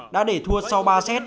đã để thua sau ba set